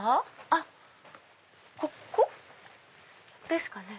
あっここですかね。